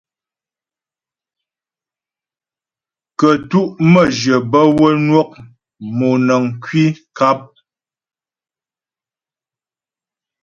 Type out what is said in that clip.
Kə́tu' məjyə bə́ wə́ nwɔ' mɔnəŋ kwi nkap.